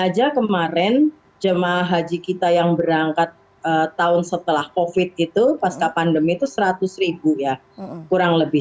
jemaah haji kita yang berangkat tahun setelah covid itu pasca pandemi itu rp seratus ya kurang lebih